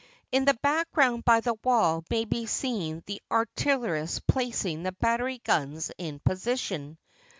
In the background by the wall may be seen the artillerists placing the battery guns in position.